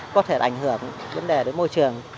có thể ảnh hưởng vấn đề đến môi trường